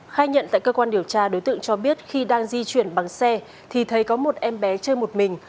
khai nhận tại cơ quan điều tra đối tượng cho biết khi đang di chuyển bằng xe thì thấy có một em bé chơi một mình